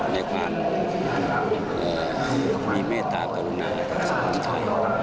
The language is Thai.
ในความมีเมตตากรุณาต่างจากสังคมไทย